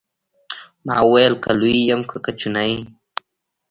ما وويل که لوى يم که کوچنى.